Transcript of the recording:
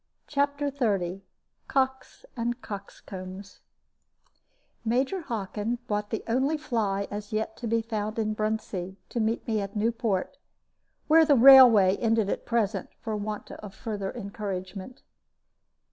CHAPTER XXX COCKS AND COXCOMBS Major Hockin brought the only fly as yet to be found in Bruntsea, to meet me at Newport, where the railway ended at present, for want of further encouragement.